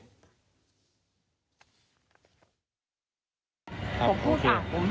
ครับโอเค